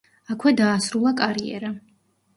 აქვე დაასრულა კარიერა.